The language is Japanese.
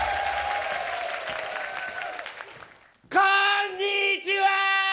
こんにちは！